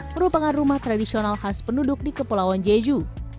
merupakan rumah tradisional khas penduduk di kepulauan jeju